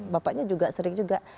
bapaknya juga sering juga